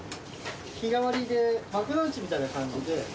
日替わりで幕の内みたいな感じで。